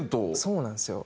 そうなんですよ。